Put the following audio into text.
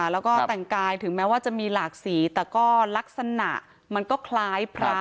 แล้วก็แต่งกายถึงแม้ว่าจะมีหลากสีแต่ก็ลักษณะมันก็คล้ายพระ